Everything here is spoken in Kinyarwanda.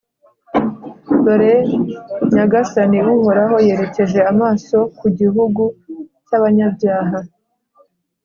dore nyagasani uhoraho yerekeje amaso ku gihugu cy’abanyabyaha